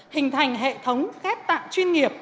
hình thành hệ thống khép tạng chuyên nghiệp